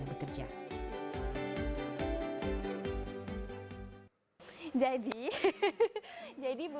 sehat ke versesi kegiatan